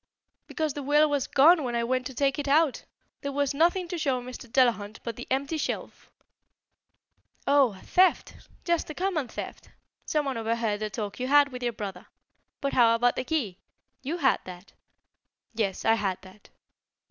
"Because the will was gone when I went to take it out. There was nothing to show Mr. Delahunt but the empty shelf." "Oh, a theft! just a common theft! Someone overheard the talk you had with your brother. But how about the key? You had that?" "Yes, I had that."